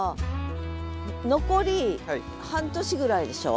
残り半年ぐらいでしょ？